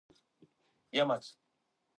He then throws two dice.